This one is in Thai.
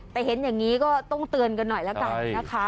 แต่เห็นอย่างนี้ก็ต้องเตือนกันหน่อยแล้วกันนะคะ